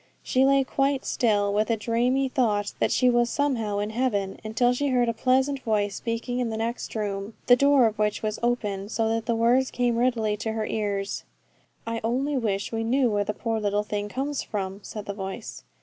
She lay quite still, with a dreamy thought that she was somehow in heaven, until she heard a pleasant voice speaking in the next room, the door of which was open, so that the words came readily to her ears. 'I only wish we knew where the poor little thing comes from,' said the voice.